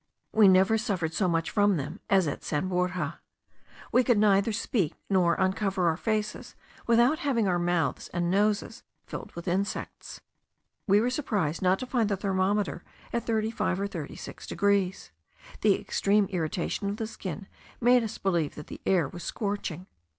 We never suffered so much from them as at San Borja. We could neither speak nor uncover our faces without having our mouths and noses filled with insects. We were surprised not to find the thermometer at 35 or 36 degrees; the extreme irritation of the skin made us believe that the air was scorching.